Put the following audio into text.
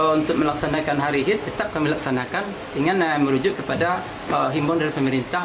untuk melaksanakan hari hit tetap kami laksanakan dengan merujuk kepada himbauan dari pemerintah